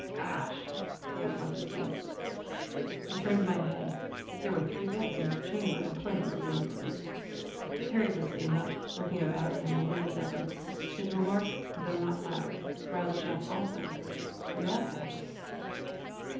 "Gosh!" was what he said. I turned my head. There were three beds in this chamber, and plenty of room for them. Terry was sitting up, looking about him, alert as ever. His remark, though not loud, roused Jeff also. We all sat up.